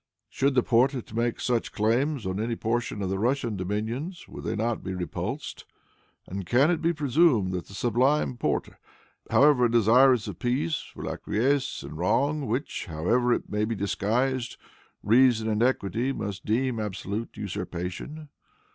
Should the Porte make such claims on any portion of the Russian dominions, would they not be repulsed? And can it be presumed that the Sublime Porte, however desirous of peace, will acquiesce in wrong which, however it may be disguised, reason and equity must deem absolute usurpation?